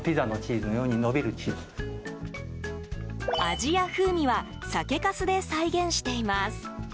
味や風味は酒かすで再現しています。